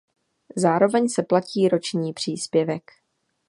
Zároveň se platí roční příspěvek.